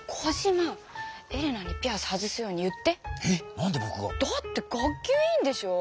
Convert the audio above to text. なんでぼくが？だって学級委員でしょう。